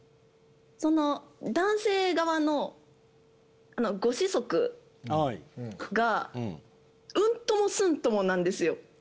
その男性側のご子息がうんともすんともなんですよ